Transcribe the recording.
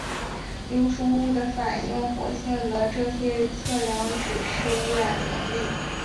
流出物的反应活性的这些测量指示污染的能力。